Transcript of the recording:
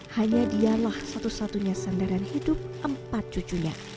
hanya dialah satu satunya sandaran hidup empat cucunya